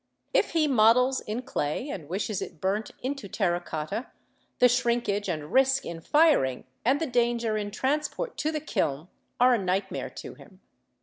If he models in clay and wishes it burnt into terra cotta, the shrinkage and risk in firing, and the danger in transport to the kiln, are a nightmare to him.